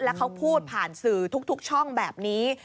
แล้วเขาพูดผ่านสื่อทุกช่องแบบนี้